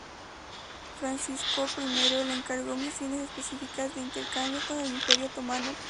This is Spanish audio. Francisco I le encargó misiones específicas de intercambio con el imperio otomano.